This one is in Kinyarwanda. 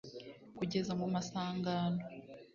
kugeza mu masangano